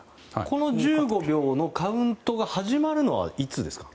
この１５秒のカウントが始まるのはいつですか？